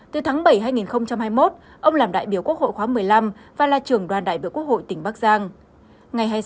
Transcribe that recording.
từ tháng bảy hai nghìn hai mươi một ông làm đại biểu quốc hội khóa một mươi năm và là trưởng đoàn đại biểu quốc hội tỉnh bắc giang